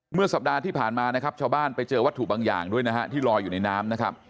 สัปดาห์ที่ผ่านมานะครับชาวบ้านไปเจอวัตถุบางอย่างด้วยนะฮะที่ลอยอยู่ในน้ำนะครับ